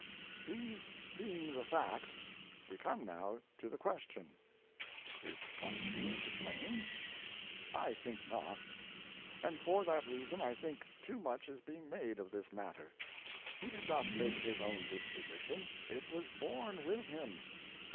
These being the facts, we come now to the question, Is Funston to blame ? I think not. And for that reason I think too much is being made of this matter. He did not make his own disposition, It was born with him.